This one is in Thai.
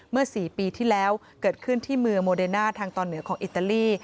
๔ปีที่แล้วเกิดขึ้นที่เมืองโมเดน่าทางตอนเหนือของอิตาลี